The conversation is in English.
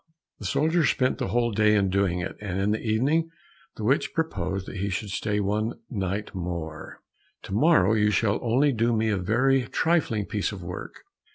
The soldier spent the whole day in doing it, and in the evening the witch proposed that he should stay one night more. "To morrow, you shall only do me a very trifling piece of work.